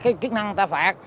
cái kỹ năng người ta phạt